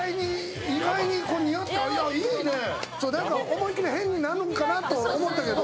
思いっきり変になるのかなと思ってたけど。